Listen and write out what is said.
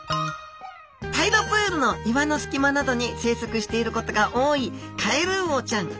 タイドプールの岩のすき間などに生息していることが多いカエルウオちゃん。